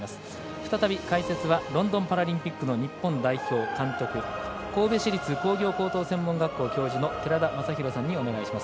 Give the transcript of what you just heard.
再び、解説はロンドンパラリンピックの日本監督監督、神戸市立工業専門学校の寺田雅裕さんにお願いします。